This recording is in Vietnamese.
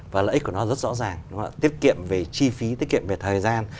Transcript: và lợi ích của nó rất rõ ràng tiết kiệm về chi phí tiết kiệm về thời gian